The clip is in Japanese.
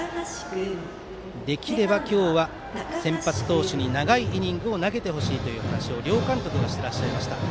できれば今日は先発投手に長いイニングを投げてほしいという話を、両監督がしてらっしゃいました。